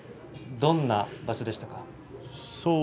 どんな場所でしたか？